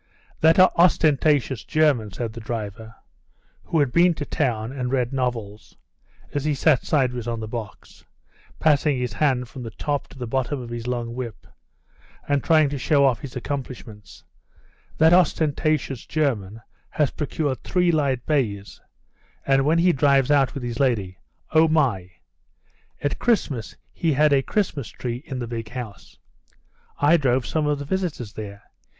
"That ostentatious German," said the driver (who had been to town and read novels) as he sat sideways on the box, passing his hand from the top to the bottom of his long whip, and trying to show off his accomplishments "that ostentatious German has procured three light bays, and when he drives out with his lady oh, my! At Christmas he had a Christmas tree in the big house. I drove some of the visitors there.